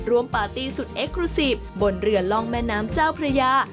ปาร์ตี้สุดเอ็กครูซีฟบนเรือล่องแม่น้ำเจ้าพระยา